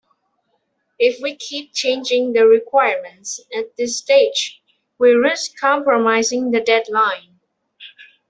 If we keep changing the requirements at this stage, we risk compromising the deadline.